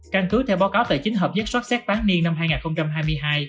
căn cứ theo báo cáo tài chính hợp nhất sot xét bán niên năm hai nghìn hai mươi hai